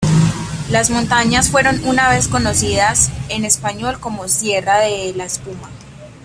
Las montañas fueron una vez conocidas en español como Sierra de la Espuma.